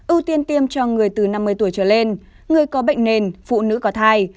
ưu tiên tiêm cho người từ năm mươi tuổi trở lên người có bệnh nền phụ nữ có thai